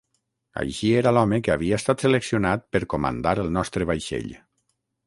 Així era l'home que havia estat seleccionat per comandar el nostre vaixell.